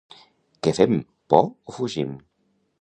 —Què fem, por o fugim?